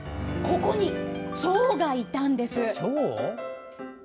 ここにチョウがいたんです。